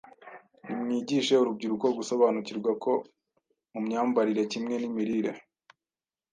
Nimwigishe urubyiruko gusobanukirwa ko mu myambarire kimwe n’imirire,